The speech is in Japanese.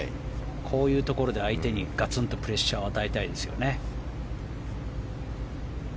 こういうところで相手にガツンとプレッシャーを与えたいですよね。